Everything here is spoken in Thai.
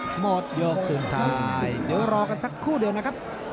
หมดยกสุดท้ายเดี๋ยวรอกันสักครู่เดียวนะครับ